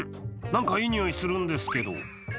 なんかいいにおいするんですけど？